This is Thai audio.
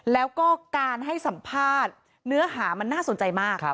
แล้วก็การให้สัมภาษณ์เนื้อหามันน่าสนใจมาก